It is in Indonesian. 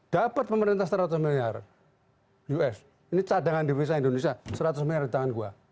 dapat pemerintah seratus miliar us ini cadangan devisa indonesia seratus miliar di tangan gua